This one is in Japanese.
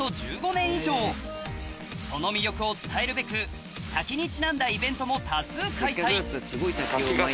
その魅力を伝えるべく滝にちなんだイベントも多数開催